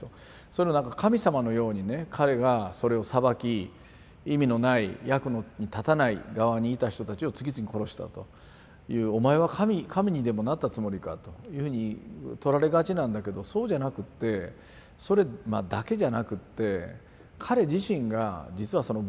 それをなんか神様のようにね彼がそれを裁き意味のない役に立たない側にいた人たちを次々殺したという「お前は神にでもなったつもりか」というふうに取られがちなんだけどそうじゃなくってそれだけじゃなくって彼自身が実はその分断線ですね